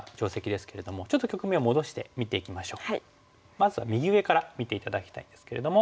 まずは右上から見て頂きたいんですけれども。